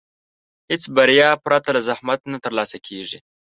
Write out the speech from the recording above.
هېڅ بریا پرته له زحمت نه ترلاسه کېږي.